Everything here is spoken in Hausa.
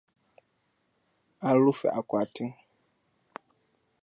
An rufe akwatin.